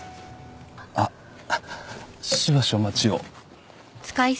あっしばしお待ちを。